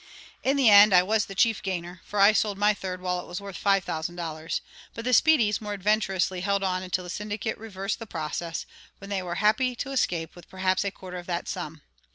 In the end I was the chief gainer; for I sold my third while it was worth five thousand dollars, but the Speedys more adventurously held on until the syndicate reversed the process, when they were happy to escape with perhaps a quarter of that sum.